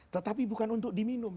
tetapi bukan untuk diminum